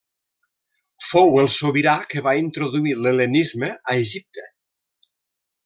Fou el sobirà que va introduir l'hel·lenisme a Egipte.